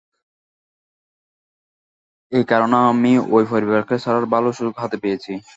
একারণে, আমি ওই পরিবারকে ছাড়ার ভালো সুযোগ হাতে পেয়েছি।